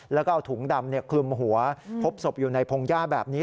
แล้วก็เอาถุงดำคลุมหัวพบศพอยู่ในพงหญ้าแบบนี้